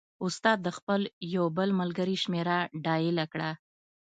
استاد د خپل یو بل ملګري شمېره ډایله کړه.